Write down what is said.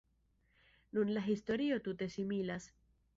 Nun la historio tute similas.